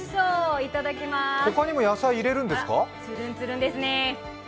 他にも野菜入れるんですか？